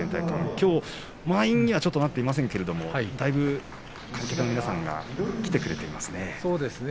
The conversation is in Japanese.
きょうは満員にはなっていませんがだいぶ観客の皆さん来てくれていますね。